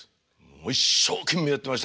もう一生懸命やってました